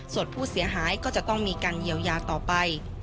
ส่วนผู้เสียหายก็จะต้องมีการเยียวยาต่อไป